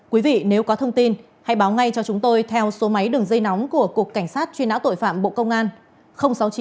quý vị nếu có thông tin hãy báo ngay cho chúng tôi theo số máy đường dây nóng của cục cảnh sát truy nã tội phạm bộ công an